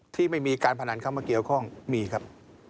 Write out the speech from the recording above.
ที่ไม่มีการพนันเข้ามาเกี่ยวข้องมีครับ